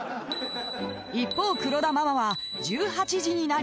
［一方黒田ママは１８時になり］